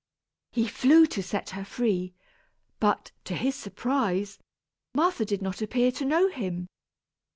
He flew to set her free; but, to his surprise, Martha did not appear to know him.